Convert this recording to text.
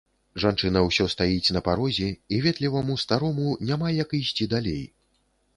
Жанчына ўсё стаіць на парозе, і ветліваму старому няма як ісці далей.